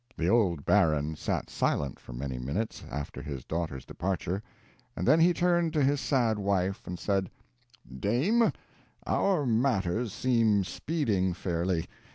The old baron sat silent for many minutes after his daughter's departure, and then he turned to his sad wife and said: "Dame, our matters seem speeding fairly.